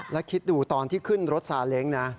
แล้วคิดดูตอนที่ขึ้นรถซาเล้งนะ